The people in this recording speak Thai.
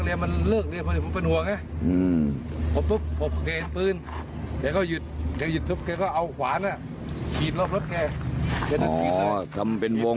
เขาก็ยืดอยู่นี่ทุกคนผมกีดรถถึงเขาเราขวานนะอ๋อทำเป็นวง